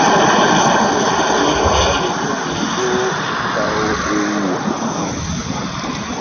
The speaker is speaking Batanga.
Kúba éhálovi ó ŋʼhombó kaho kaho ehuwa .